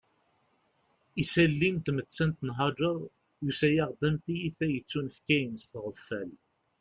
Isalli n tmettant n Haǧer yusa-aɣ-d am tiyita yettunefkayen s tɣeffal